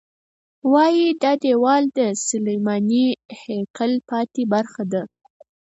وایي دا دیوال د سلیماني هیکل پاتې برخه ده.